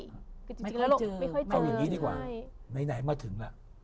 ไม่ค่อยเจอเอาอย่างนี้ดีกว่าไหนมาถึงล่ะ